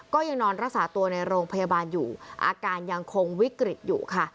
ก็ยังนอนรักษาตัวในโรงพยาบาลอยู่อาการยังคงวิกฤตอยู่ค่ะ